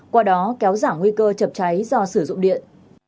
qua đó kéo giảm nguy cơ chập cháy do sử dụng điện